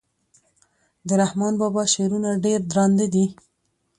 د رحمان بابا شعرونه ډير درانده دي.